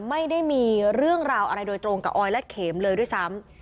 ไม่ได้มีเรื่องราวอะไรโดยตรงกับออยและเข็มเลยด้วยซ้ำ